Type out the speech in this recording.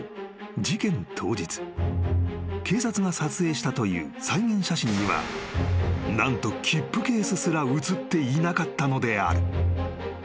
事件当日警察が撮影したという再現写真には何と切符ケースすら写っていなかったのである］